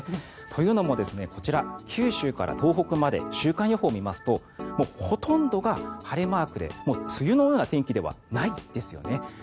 というのも、こちら九州から東北まで週間予報を見ますとほとんどが晴れマークで梅雨のような天気ではないですよね。